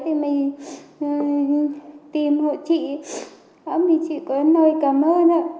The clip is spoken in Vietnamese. em hỏi chị bảo mình chị có nơi cảm ơn ạ